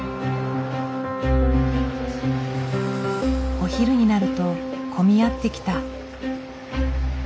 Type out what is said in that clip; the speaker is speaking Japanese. お昼になると混み合ってきた。